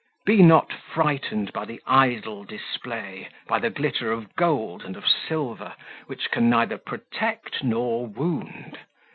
Be not frightened by the idle display, by the glitter of gold and of silver, which can neither protect nor wound.